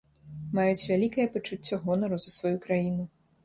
Маюць вялікае пачуццё гонару за сваю краіну.